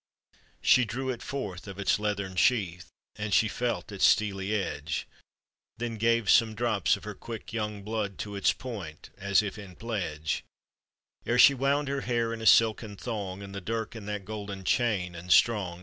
She drew it forth of its leathern sheath, And sh« felt its steely edge, Then gave some drops of her quick young blood To its point, as if in pledge, Ere she wound her hair in a silken thong, And the dirk in that golden chain and strong.